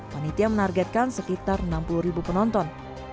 panitia menargetkan sekitar enam puluh ribu penonton